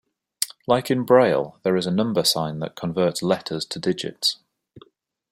Like in braille, there is a number sign that converts letters to digits.